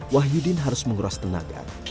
wahyudin harus menguras tenaga